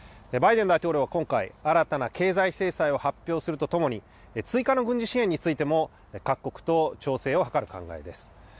バイデン大統領は今回、新たな経済制裁を発表するとともに、追加の軍事支援についても、各国と調整を図る考えです。